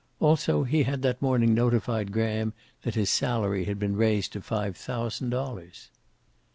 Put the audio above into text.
Also, he had that morning notified Graham that his salary had been raised to five thousand dollars.